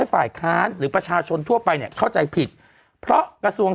ฝ่ายค้านหรือประชาชนทั่วไปเนี่ยเข้าใจผิดเพราะกระทรวง